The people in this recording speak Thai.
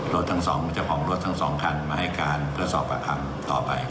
ทั้งสองเจ้าของรถทั้งสองคันมาให้การเพื่อสอบประคำต่อไป